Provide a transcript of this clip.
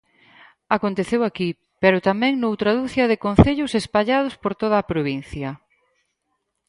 Aconteceu aquí pero tamén noutra ducia de concellos espallados por toda a provincia.